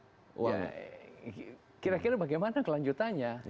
jadi kira kira bagaimana kelanjutannya